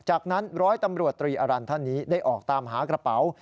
จากนั้นร้อยตำรวจตรีอรันท่านนี้ได้ออกตามหากระเป๋า